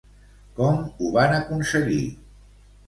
Com ho van aconseguir?